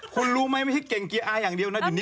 คุณรู้มั้ยไม่ใช่เก่งเกียร์อาร์อย่างเดียวนะ